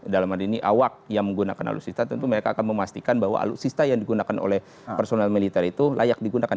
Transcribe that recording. dalam hal ini awak yang menggunakan alutsista tentu mereka akan memastikan bahwa alutsista yang digunakan oleh personal militer itu layak digunakan